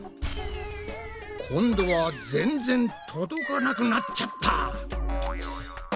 今度は全然届かなくなっちゃった！